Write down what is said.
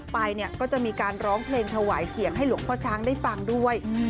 ไปเนี่ยก็จะมีการร้องเพลงถวายเสียงให้หลวงพ่อช้างได้ฟังด้วย